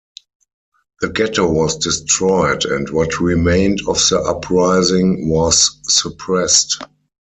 The ghetto was destroyed and what remained of the uprising was suppressed.